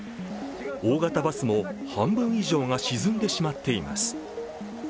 大型バスも半分以上が沈んでしまっています。